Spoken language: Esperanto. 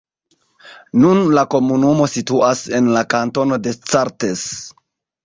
Nun, la komunumo situas en la kantono Descartes.